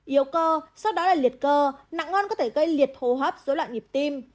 yếu cơ sau đó là liệt cơ nặng oan có thể gây liệt hô hấp dối loạn nhịp tim